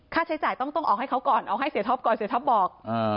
ใช้จ่ายต้องต้องออกให้เขาก่อนเอาให้เสียท็อปก่อนเสียท็อปบอก